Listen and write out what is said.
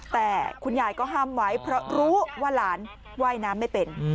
แต่คุณยายก็ห้ามไว้เพราะรู้ว่าหลานว่ายน้ำไม่เป็น